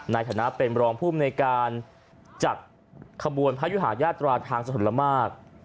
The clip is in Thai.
ในฐานะเป็นรองภูมิในการจัดขบวนพระยุหาญาตราทางสถลมาก